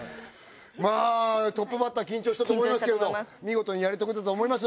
まぁトップバッター緊張したと思いますけれど見事にやり遂げたと思います。